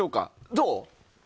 どう？